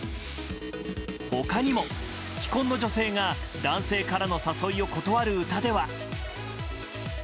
他にも既婚の女性が男性からの誘いを断る歌では。